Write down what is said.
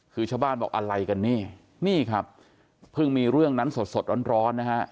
คือชาวบ้านบอกอะไรกันนี่นี่ครับเพิ่งมีเรื่องนั้นสดสดร้อนนะฮะ